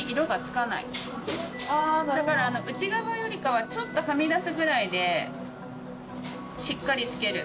・だから内側よりかはちょっとはみ出すぐらいでしっかり付ける。